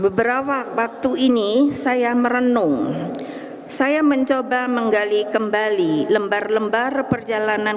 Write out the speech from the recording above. beberapa waktu ini saya merenung saya mencoba menggali kembali lembar lembar perjalanan